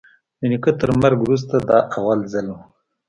د نيکه تر مرگ وروسته دا اول ځل و.